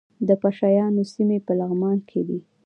د پشه یانو سیمې په لغمان کې دي